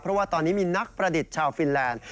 เพราะว่าตอนนี้มีนักประดิษฐ์ชาวฟินแลนด์